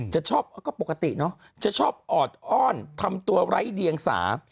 จะชอบก็ปกติเนอะจะชอบออดอ้อนทำตัวไร้เดียงสา